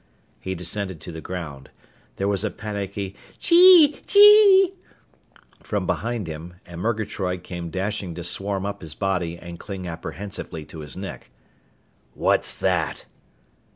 He descended to the ground. There was a panicky "Chee! Chee!" from behind him, and Murgatroyd came dashing to swarm up his body and cling apprehensively to his neck. "What's that?"